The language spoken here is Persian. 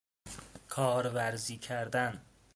کارورزی کردن